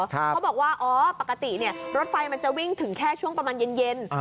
เขาบอกว่าอ๋อปกติรถไฟมันจะวิ่งถึงแค่ช่วงประมาณเย็น